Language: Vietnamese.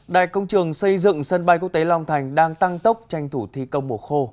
đại công trường xây dựng sân bay quốc tế long thành đang tăng tốc tranh thủ thi công bộ khô